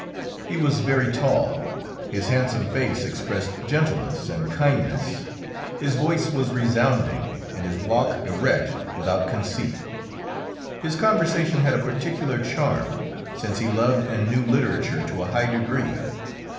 He was very tall; his handsome face expressed gentleness and kindness; his voice was resounding, and his walk erect without conceit; his conversation had a particular charm, since he loved and knew literature to a high degree.